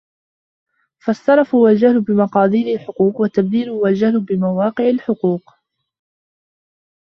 فَالسَّرَفُ هُوَ الْجَهْلُ بِمَقَادِيرِ الْحُقُوقِ ، وَالتَّبْذِيرُ هُوَ الْجَهْلُ بِمَوَاقِعِ الْحُقُوقِ